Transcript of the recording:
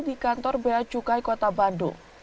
di kantor beacukai kota bandung